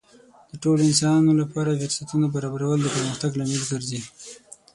د ټولو انسانانو لپاره د فرصتونو برابرول د پرمختګ لامل ګرځي.